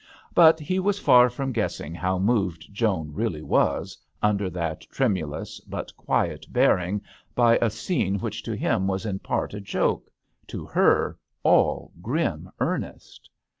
But he was far from guessing how moved Joan really was under that tremu lous but quiet bearing by a scene which to him was in part a joke : to her all grim earnest.